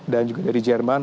dan juga dari jerman